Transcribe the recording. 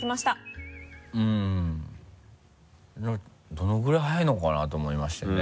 どのぐらい速いのかなと思いましてね。